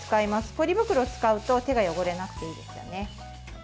ポリ袋を使うと手が汚れなくていいですよね。